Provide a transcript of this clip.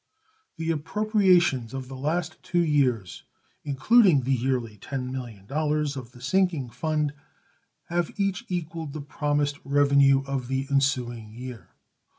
The appropriations of the two last years, including the yearly $10,000,000 of the sinking fund, have each equaled the promised revenue of the ensuing year.